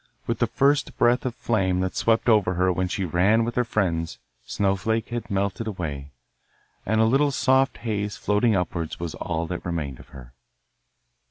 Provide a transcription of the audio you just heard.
With the first breath of flame that swept over her when she ran with her friends Snowflake had melted away, and a little soft haze floating upwards was all that remained of her.